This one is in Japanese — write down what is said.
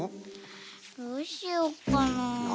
どうしよっかな。